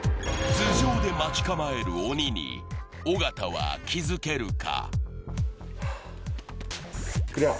頭上で待ち構える鬼に尾形は気づけるか？